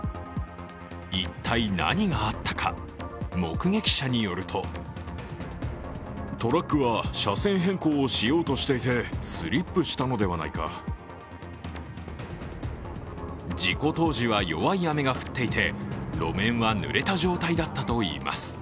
一体、何があったか、目撃者によると事故当時は弱い雨が降っていて路面はぬれた状態だったといいます。